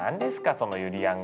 そのゆりやん